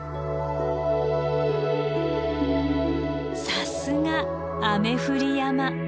さすが雨降り山。